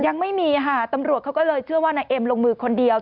ยังไม่มีค่ะตำรวจเขาก็เลยเชื่อว่านายเอ็มลงมือคนเดียว